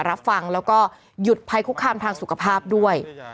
รับฟังแล้วก็หยุดภัยคุกคามทางสุขภาพด้วย